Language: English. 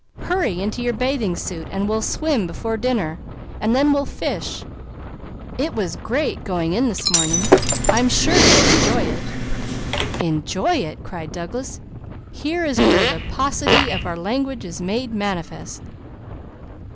Hurry into your bathing suit; we'll swim before dinner, and then we'll fish. It was great going in this morning! I'm sure you'll enjoy it!" "Enjoy it!" cried Douglas. "Here is where the paucity of our language is made manifest."